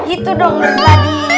itu dong berarti